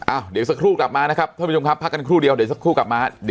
เดี๋ยวสักครู่กลับมานะครับท่านผู้ชมครับพักกันครู่เดียวเดี๋ยวสักครู่กลับมา